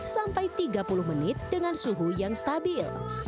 sampai tiga puluh menit dengan suhu yang stabil